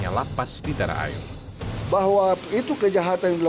salah satu alat yang dilakukan oleh masyarakat yang telah melakukan pembunuhan terhadap wartawan di bali